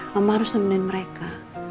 mama harus nemenin mereka